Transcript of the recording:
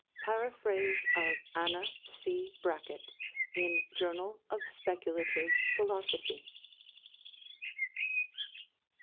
Paraphrase of Anna C. Brackett, in Journal of Speculative Philosophy.